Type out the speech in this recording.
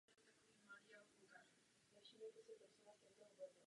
Zároveň byl ovšem dům oddělen od ulice plotem.